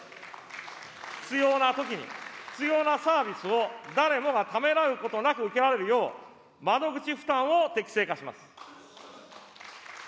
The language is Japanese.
必要なときに必要なサービスを誰もがためらうことなく受けられるよう、窓口負担を適正化します。